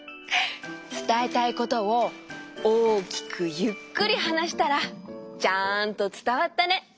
つたえたいことを大きくゆっくりはなしたらちゃんとつたわったね。